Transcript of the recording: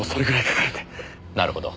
なるほど。